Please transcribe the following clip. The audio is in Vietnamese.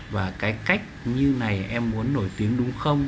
và cái cách như này em muốn nổi tiếng đúng không